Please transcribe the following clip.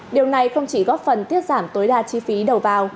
điều này không chỉ góp phần tiết giảm tối đa chi phí đầu vào